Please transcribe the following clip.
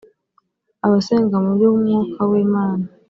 abasenga mu buryo bw umwuka w imana